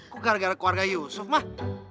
kok gara gara keluarga yusuf mah